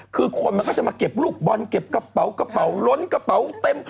คือคนมันก็จะมาเก็บลูกบอลเก็บกระเป๋ากระเป๋าล้นกระเป๋าเต็ม